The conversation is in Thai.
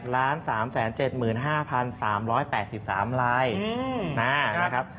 ๓๓๗๕๓๘๓ลายนะครับ